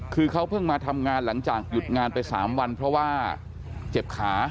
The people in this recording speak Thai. คือเขาเพิ่งมาทำงานหลังจากหยุดงานไป๓วันเพราะว่าเจ็บขา